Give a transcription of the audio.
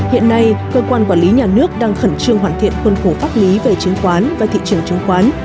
hiện nay cơ quan quản lý nhà nước đang khẩn trương hoàn thiện khuôn khổ pháp lý về chứng khoán và thị trường chứng khoán